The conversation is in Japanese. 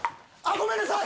ごめんなさい！